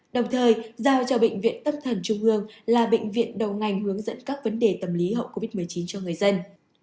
đồng thời giao cho bệnh viện tâm thần trung ương là bệnh viện đầu ngành hướng dẫn các vấn đề tâm lý hậu covid một mươi chín cho người dân